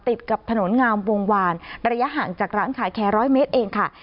ติดกับถนนงามวงวานระยะห่างจากร้านขายแค่ร้อยเมตรเองค่ะ